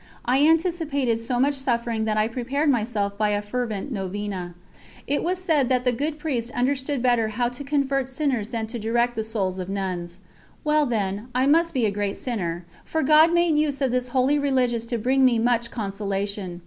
I anticipated so much suffering that I prepared myself by a fervent novena. It was said that the good Priest understood better how to convert sinners than to direct the souls of nuns. Well then, I must be a great sinner, for God made use of this holy religious to bring me much consolation.